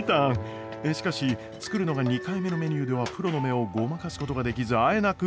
しかし作るのが２回目のメニューではプロの目をごまかすことができずあえなく。